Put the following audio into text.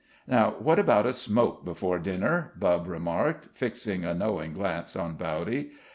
"Now what about a smoke before dinner?" Bubb remarked, fixing a knowing glance on Bowdy.